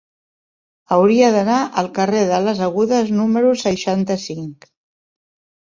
Hauria d'anar al carrer de les Agudes número seixanta-cinc.